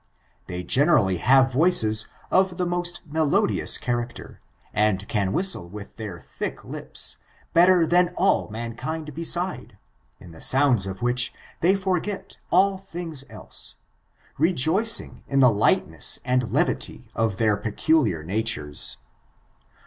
They generally have voices of the most melodious character, and can whistle with their thick lips, bet ter than all mankind beside, in the sounds of wliich they forget all things else, rejoicing in the lightness and levity of their peculiar natures.